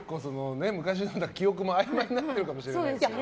昔だから記憶もあいまいになってるかもしれないですね。